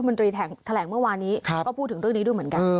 แต่ทางอยกภัยมนิตรีแทลกเมื่อวานี้ก็พูดถึงเรื่องนี้ด้วยเหมือนกัน